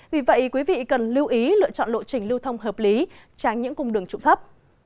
vì vậy quý vị cần lưu ý lựa chọn lộ trình lưu thông hợp lý tránh những cung đường trụng thấp